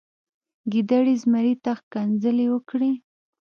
ګیدړې زمري ته ښکنځلې وکړې.